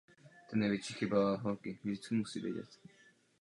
Vitráže v hlavní lodi zobrazují starozákonní výjevy.